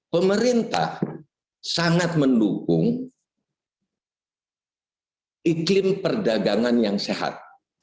pemerintah sangat mendukung iklim perdagangan yang sehat